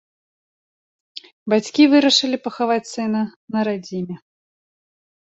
Бацькі вырашылі пахаваць сына на радзіме.